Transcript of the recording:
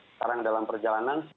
sekarang dalam perjalanan